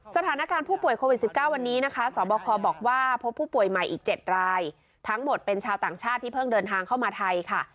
สถานการณ์ผู้ป่วยโควิด๑๙วันนี้นะคะสบคบอกว่าพบผู้ป่วยใหม่อีก๗รายทั้งหมดเป็นชาวต่างชาติที่เพิ่งเดินทางเข้ามาไทยค่ะ